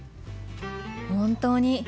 本当に。